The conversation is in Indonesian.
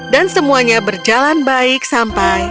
dan semuanya berjalan baik sampai